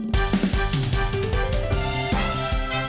โปรดติดตามตอนต่อไป